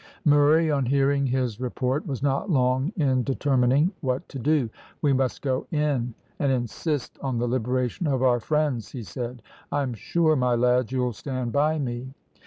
Murray, on hearing his report, was not long in determining what to do. "We must go in and insist on the liberation of our friends," he said. "I'm sure, my lads, you'll stand by me."